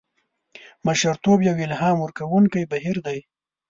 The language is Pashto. مشرتوب یو الهام ورکوونکی بهیر دی.